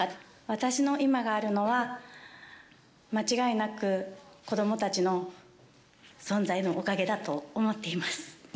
私の今があるのは、間違いなく子どもたちの存在のおかげだと思っています。